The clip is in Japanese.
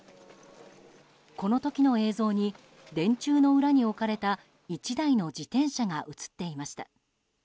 この時の映像に電柱の裏に置かれた１台の自転車が映っていました。